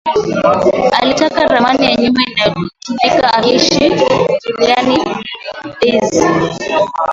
Alitaka ramani ya nyumba aliyokuwa akiishi Juliana na Daisy